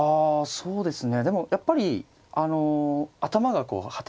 そうですね。